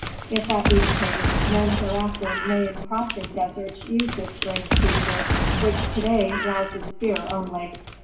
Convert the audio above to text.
If that be the case, men hereafter may in crossing deserts use this strange creature, which to day rouses fear only."